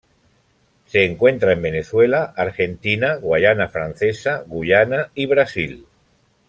Se encuentra en Venezuela, Argentina, Guayana Francesa, Guyana y Brasil,